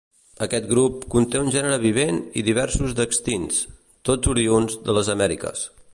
Aquest grup conté un gènere vivent i diversos d'extints, tots oriünds de les Amèriques.